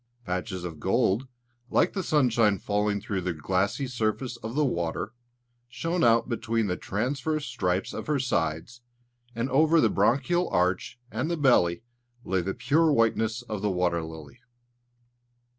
Patches of gold, like the sunshine falling through the glassy surface of the water, shone out between the transverse stripes on her sides; and over the branchial arch and the belly lay the pure whiteness of the water lily.